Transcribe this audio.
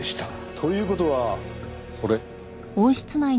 という事はこれ？